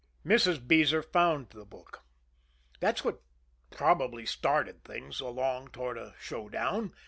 Mrs. Beezer found the book. That's what probably started things along toward a showdown.